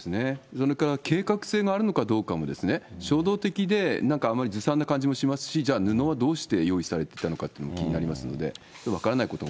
それから計画性があるのかどうかもですね、衝動的で、なんかあまりずさんな感じもしますし、じゃあどうして、布も用意されていたのかというのも気になりますので、分からない